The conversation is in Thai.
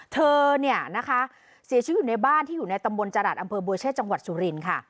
เธอเนี่ยนะคะเสียชีวิตอยู่ในบ้านที่อยู่ในตำบลจรัสอำเภอบัวเชษจังหวัดสุรินทร์ค่ะ